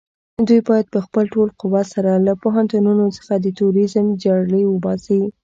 دوی بايد په خپل ټول قوت سره له پوهنتونونو څخه د تروريزم جرړې وباسي.